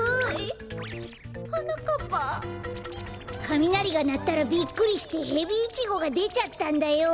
かみなりがなったらびっくりしてヘビイチゴがでちゃったんだよ。